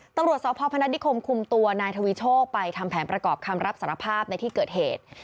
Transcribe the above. ตำรวจสพพนัฐนิคมคุมตัวนายทวีโชคไปทำแผนประกอบคำรับสารภาพในที่เกิดเหตุ